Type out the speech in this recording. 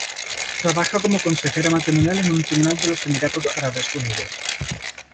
Trabaja como consejera matrimonial en un tribunal de los Emiratos Árabes Unidos.